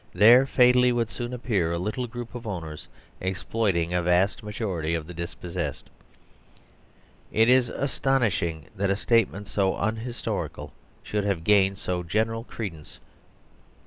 therefatally wouldsoon appearalittle groupofow ners exploiting a vast majority of the dispossessed. It is astonishing that a statement so unhistorical 71 THE SERVILE STATE should have gained so general a credence.